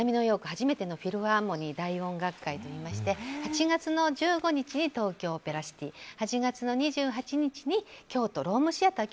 初めてのフィルハーモニー大音楽会」といいまして８月１５日に東京オペラシティ８月２８日にロームシアター